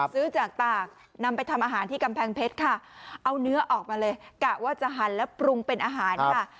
ซื้อจากตากนำไปทำอาหารที่กำแพงเพชรค่ะเอาเนื้อออกมาเลยกะว่าจะหันแล้วปรุงเป็นอาหารค่ะ